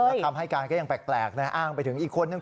แล้วคำให้การก็ยังแปลกนะอ้างไปถึงอีกคนนึง